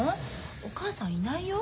お母さんいないよ？